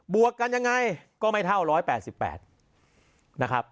วกกันยังไงก็ไม่เท่า๑๘๘นะครับ